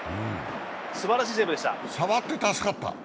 すばらしいセーブでした。